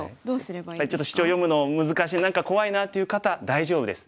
やっぱりちょっとシチョウ読むの難しい何か怖いなっていう方大丈夫です。